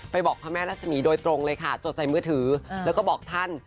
บอกพระแม่รัศมีร์โดยตรงเลยค่ะจดใส่มือถือแล้วก็บอกท่าน